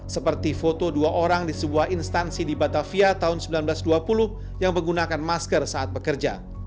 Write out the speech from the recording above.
seperti foto dua orang di sebuah instansi di batavia tahun seribu sembilan ratus dua puluh yang menggunakan masker saat bekerja